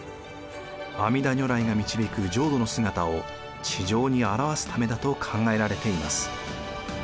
阿弥陀如来が導く浄土の姿を地上に表すためだと考えられています。